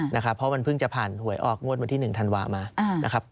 เพราะมันเพิ่งจะผ่านหวยออกงวดวันที่๑ธันวามานะครับ